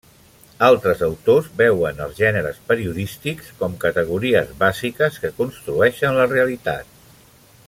Altres autors veuen els gèneres periodístics com categories bàsiques que construeixen la realitat.